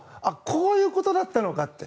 こういうことだったのかって。